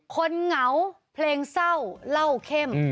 เหงาเพลงเศร้าเล่าเข้ม